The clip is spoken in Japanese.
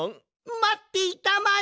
まっていたまえ